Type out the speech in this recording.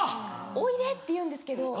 「おいで」って言うんですけど。